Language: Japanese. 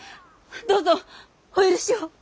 どうぞお許しを！